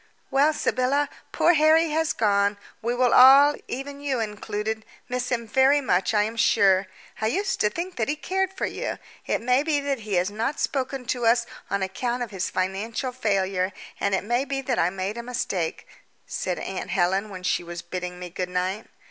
"Well, Sybylla, poor Harry has gone: we will all even you included miss him very much, I am sure. I used to think that he cared for you. It may be that he has not spoken to us on account of his financial failure, and it may be that I made a mistake," said aunt Helen when she was bidding me good night.